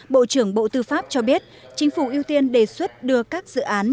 bộ trưởng bộ tư pháp cho biết chính phủ ưu tiên đề xuất đưa các dự án